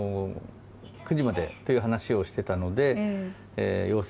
９時までという話をしてたので。